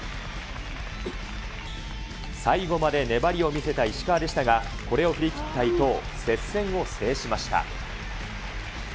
最後まで粘りを見せた石川でしたが、これを振り切った伊藤、接戦を制しました。